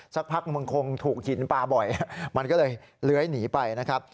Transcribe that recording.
สักพักมึงคงถูกหินปลาบ่อยมันก็เลยเลื้อยหนีไปนะครับ